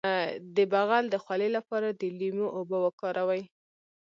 د بغل د خولې لپاره د لیمو اوبه وکاروئ